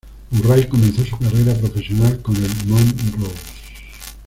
Murray comenzó su carrera profesional con el Montrose.